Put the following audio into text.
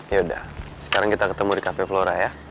yaudah sekarang kita ketemu di cafe flora ya